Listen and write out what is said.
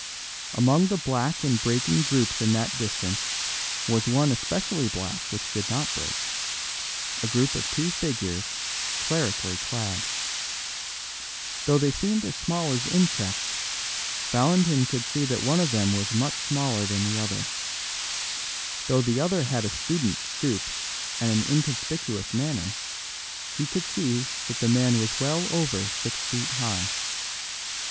Among the black and breaking groups in that distance was one especially black which did not break a group of two figures clerically clad. Though they seemed as small as insects, Valentin could see that one of them was much smaller than the other. Though the other had a student's stoop and an inconspicuous manner, he could see that the man was well over six feet high.